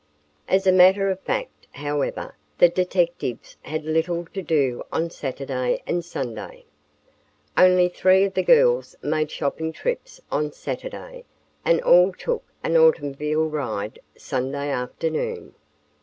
As a matter of fact, however, the detectives had little to do on Saturday and Sunday. Only three of the girls made shopping trips on Saturday and all took an automobile ride Sunday afternoon.